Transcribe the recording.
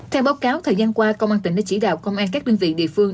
theo báo cáo thời gian qua công an tỉnh đã chỉ đạo công an các đơn vị địa phương